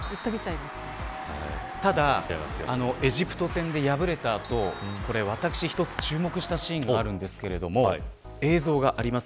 ただ、エジプト戦で敗れた後私一つ注目したシーンがあるんですけれども映像があります。